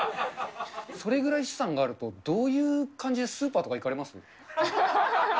それぐらい資産があると、どういう感じでスーパーとか行かれます？